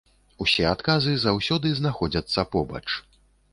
Усе адказы заўсёды знаходзяцца побач.